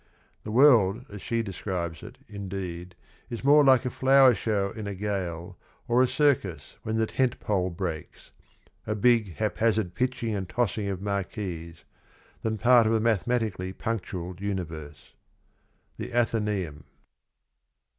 The world as she describes it, indeed, is more like a flower show in a gale or a circus when the tent pole breaks — a big hap hazard pitching and tossing of marquees — than part of a mathematically punctual universe. — The Athencsum.